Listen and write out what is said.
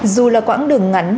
dù là quãng đường ngắn